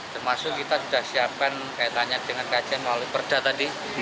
termasuk kita sudah siapkan tanya tanya dengan kc melalui perda tadi